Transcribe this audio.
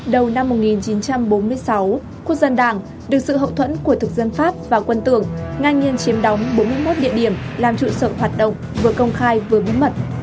đầu năm một nghìn chín trăm bốn mươi sáu quốc dân đảng được sự hậu thuẫn của thực dân pháp và quân tưởng ngang nhiên chiếm đóng bốn mươi một địa điểm làm trụ sở hoạt động vừa công khai vừa bí mật